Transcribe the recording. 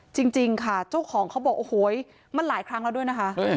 จริงค่ะเจ้าของเขาบอกโอ้โหมันหลายครั้งแล้วด้วยนะคะ